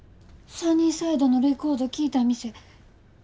「サニーサイド」のレコード聴いた店。